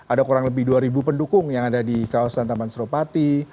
ada kurang lebih dua pendukung yang ada di kawasan taman suropati